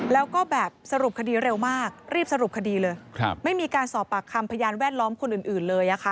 แล้วก็แบบสรุปคดีเร็วมากรีบสรุปคดีเลยไม่มีการสอบปากคำพยานแวดล้อมคนอื่นเลยอะค่ะ